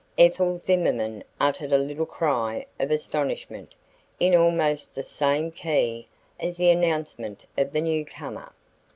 Ethel Zimmerman uttered a little cry of astonishment in almost the same key as the announcement of the newcomer.